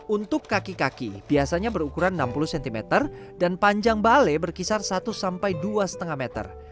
untuk kaki kaki biasanya berukuran enam puluh cm dan panjang balai berkisar satu sampai dua lima meter